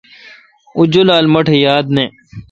اوں جولال مہ ٹھ یاد نہ۔